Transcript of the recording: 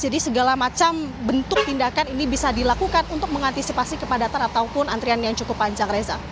jadi segala macam bentuk tindakan ini bisa dilakukan untuk mengantisipasi kepadatan ataupun antrian yang cukup panjang reza